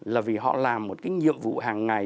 là vì họ làm một cái nhiệm vụ hàng ngày